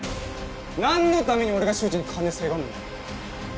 何のために俺が秀司に金せがむんだよ？